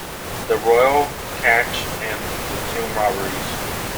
The Royal Cache and the Tomb Robberies.